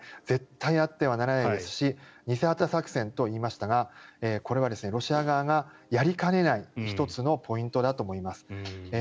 絶対あってはならないですし偽旗作戦といいましたがこれはロシア側がやりかねない１つのポイントだと思います。